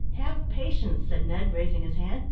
"Have patience," said Ned, raising his hand.